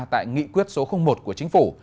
tại nghị quyết số một của chính phủ